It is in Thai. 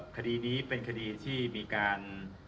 คดีนี้เป็นคดีที่มีการ